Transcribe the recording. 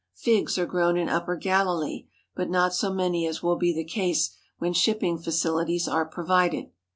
Figs are grown in upper Galilee, but not so many as will be the case when shipping facilities are provided.